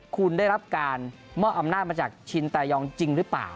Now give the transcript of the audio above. คุณได้รับการมอบอำนาจมาจากชินตายองจริงหรือเปล่า